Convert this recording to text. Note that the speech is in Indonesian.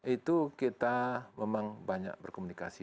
itu kita memang banyak berkomunikasi